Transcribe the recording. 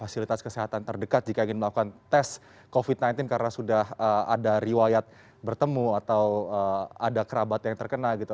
fasilitas kesehatan terdekat jika ingin melakukan tes covid sembilan belas karena sudah ada riwayat bertemu atau ada kerabat yang terkena gitu